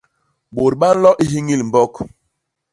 Bôt ba nlo i hiñil mbok.